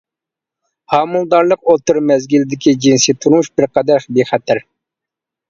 ھامىلىدارلىق ئوتتۇرا مەزگىلدىكى جىنسى تۇرمۇش بىر قەدەر بىخەتەر.